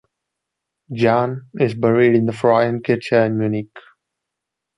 John is buried in the Frauenkirche in Munich.